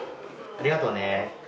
ありがとね。